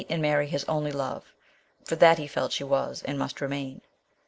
201 and marry his only love, for that he felt she was and must remain.